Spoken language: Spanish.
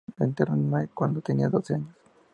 Entertainment cuando tenía doce años.